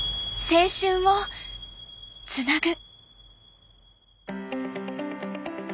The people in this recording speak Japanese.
青春を、つなぐ。